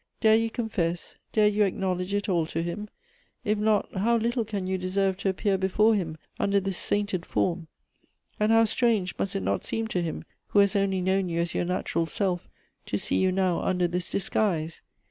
Dai e you con fess, dare you acknowledge it all to him ? If not, how little can you deserve to appear before him under this sainted form ; and how strange must it not seem to him who has only known you as your natural self to see you now under this disguise